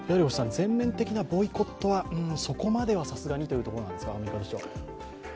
全面的なボイコットはそこまではさすがにということなんですか？